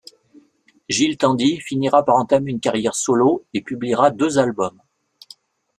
Gilles Tandy finira par entamer une carrière solo et publiera deux albums.